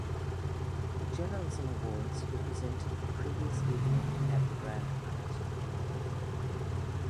The journalism awards were presented the previous evening at the Grand Hyatt New York.